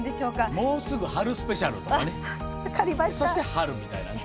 もうすぐ春スペシャルとかね。